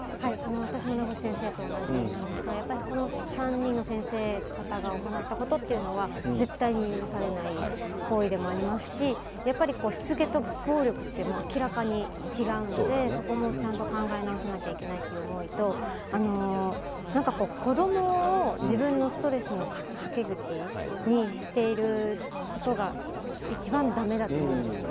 私も名越先生と同じなんですが、やっぱりこの３人の先生方が行ったことっていうのは、絶対に許されない行為でもありますし、やっぱりしつけと暴力って明らかに違うので、そこもちゃんと考え直さなきゃいけないっていう思いと、なんかこう子どもを自分のストレスのはけ口にしていることが、一番だめだと思うんですね。